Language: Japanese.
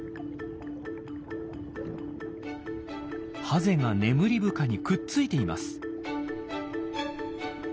ハゼがネムリブカにくっついています。